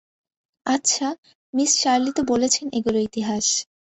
আচ্ছা, miss Shirley তো বলেছেন এগুলো ইতিহাস।